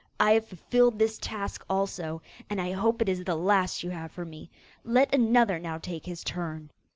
I have fulfilled this task also, and I hope it is the last you have for me; let another now take his turn.